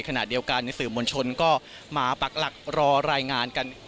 ขณะเดียวกันสื่อมวลชนก็มาปักหลักรอรายงานกัน